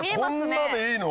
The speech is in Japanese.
こんなでいいの？